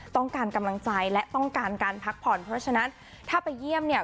ต้องการกำลังใจและต้องการการพักผ่อนเพราะฉะนั้นถ้าไปเยี่ยมเนี่ย